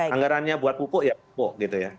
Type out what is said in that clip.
anggarannya buat pupuk ya pupuk gitu ya